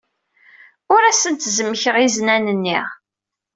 Ur asent-zemmkeɣ iznan-nni.